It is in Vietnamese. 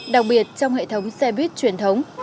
đặc biệt trong hệ thống xe buýt truyền thống